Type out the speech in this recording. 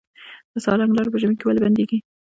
د سالنګ لاره په ژمي کې ولې بندیږي؟